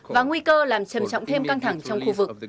và nguy cơ làm trầm trọng thêm căng thẳng trong khu vực